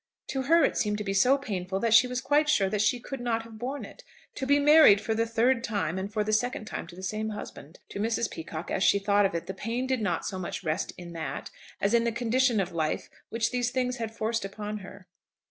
To her it seemed to be so painful that she was quite sure that she could not have borne it. To be married for the third time, and for the second time to the same husband! To Mrs. Peacocke, as she thought of it, the pain did not so much rest in that, as in the condition of life which these things had forced upon her.